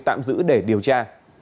tạm giữ để điều tra